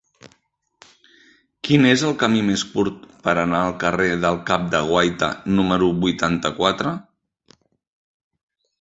Quin és el camí més curt per anar al carrer del Cap de Guaita número vuitanta-quatre?